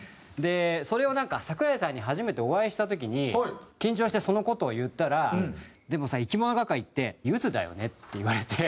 それをなんか桜井さんに初めてお会いした時に緊張してその事を言ったら「でもさいきものがかりってゆずだよね？」って言われて。